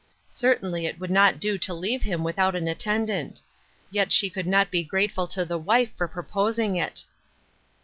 Certainly it would not do to leave him without an attendant. Yet she could not be grateful to the wife for proposing it.